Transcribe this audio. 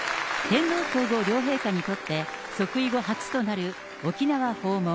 天皇皇后両陛下にとって即位後初となる沖縄訪問。